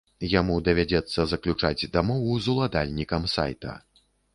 Яму давядзецца заключаць дамову з уладальнікам сайта.